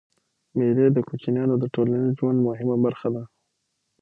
مېلې د کوچنيانو د ټولنیز ژوند مهمه برخه ده.